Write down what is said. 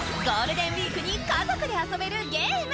ゴールデンウイークに家族で遊べるゲーム